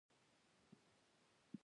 برېټانیا ایتوپیا ته خپل ځواکونه واستول.